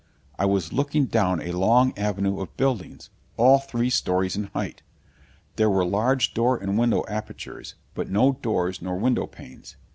I was looking down a long avenue of buildings, all three stories in height. There were large door and window apertures, but no doors nor window panes.